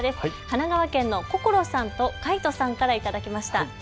神奈川県のこころさんとかいとさんから頂きました。